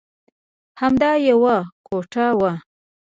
همدا یوه کوټه وه.